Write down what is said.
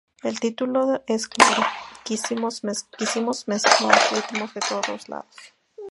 El título es claro: quisimos mezclar ritmos de todos lados.